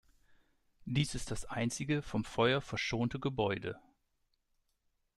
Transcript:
Dies ist das einzige vom Feuer verschonte Gebäude.